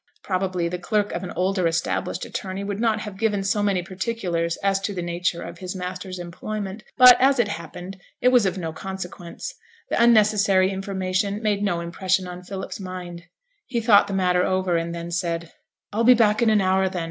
Probably the clerk of an older established attorney would not have given so many particulars as to the nature of his master's employment; but, as it happened it was of no consequence, the unnecessary information made no impression on Philip's mind; he thought the matter over and then said 'I'll be back in an hour, then.